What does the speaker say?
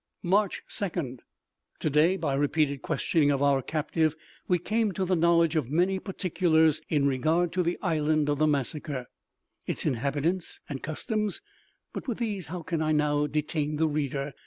March 2d. To day by repeated questioning of our captive, we came to the knowledge of many particulars in regard to the island of the massacre, its inhabitants, and customs—but with these how can I now detain the reader?